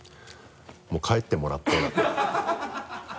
もう帰ってもらって。